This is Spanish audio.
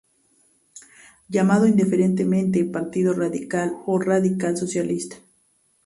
Llamado indiferentemente partido radical o radical-socialista.